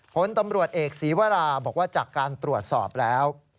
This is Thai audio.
ผลตำรวจเอกศีวราบอกว่าจากการตรวจสอบแล้ว